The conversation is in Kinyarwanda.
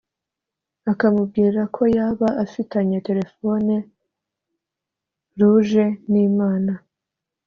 akamubwira ko yaba afitanye telephone rouge n' imana,